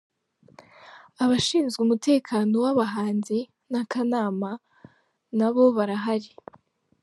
Abashinzwe umutekano w’abahanzi n’akanama nabo barahari.